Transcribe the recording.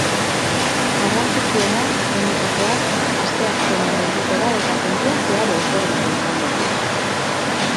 Garrantzitsuena, benetakoa, asteazkenean helduko da eta kontua zeharo ezberdina izango da.